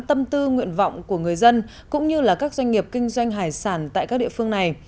tâm tư nguyện vọng của người dân cũng như các doanh nghiệp kinh doanh hải sản tại các địa phương này